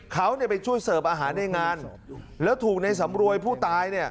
เขาไปช่วยเสิร์ฟอาหารในงานแล้วถูกในสำรวยผู้ตาย